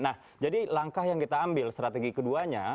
nah jadi langkah yang kita ambil strategi keduanya